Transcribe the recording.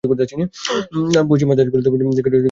পশ্চিমা দেশগুলিতে জনপ্রতি সর্বোচ্চ ব্যবহারের হার রয়েছে।